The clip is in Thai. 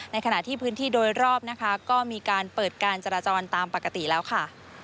ขณะที่พื้นที่โดยรอบนะคะก็มีการเปิดการจราจรตามปกติแล้วค่ะ